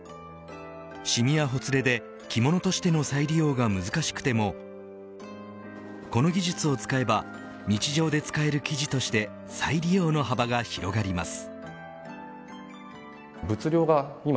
しみやほつれで着物としての再利用が難しくてもこの技術を使えば日常で使える生地として再利用の幅が広がります。